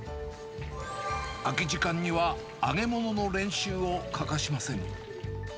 空き時間には揚げ物の練習を欠かしません。